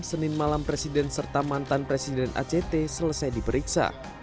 senin malam presiden serta mantan presiden act selesai diperiksa